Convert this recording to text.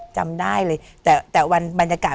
จำได้เลยแต่วันบรรยากาศ